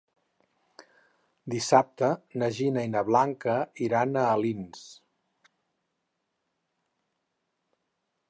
Dissabte na Gina i na Blanca iran a Alins.